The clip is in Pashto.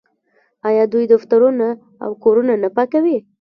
آیا دوی دفترونه او کورونه نه پاکوي؟